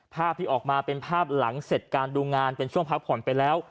ภาพที่ออกมาเป็นภาพหลังเสร็จการดูงานเป็นช่วงพักผ่อนไปแล้ว